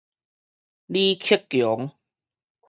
李克強